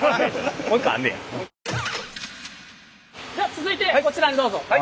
続いてこちらにどうぞ。